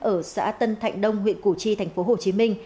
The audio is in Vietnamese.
ở xã tân thạnh đông huyện củ chi tp hcm